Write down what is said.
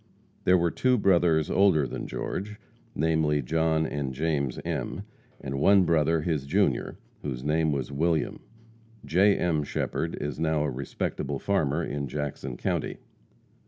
There were two brothers older than George, namely, John and James M., and one brother his junior, whose name was William. J. M. Shepherd is now a respectable farmer in Jackson county.